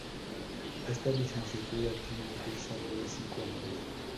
Esta Licenciatura tiene un cursado de cinco años.